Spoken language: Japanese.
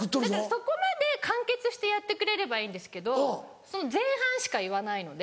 そこまで完結してやってくれればいいんですけどその前半しか言わないので。